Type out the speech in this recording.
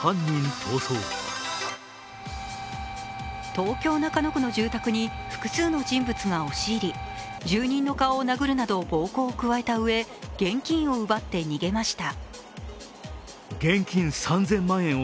東京・中野区の住宅に複数の人物が押し入り住人の顔を殴るなど暴行を加えたうえ、現金を奪って逃げました。